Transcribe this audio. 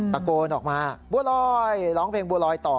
ตะโกนออกมาบัวลอยร้องเพลงบัวลอยต่อ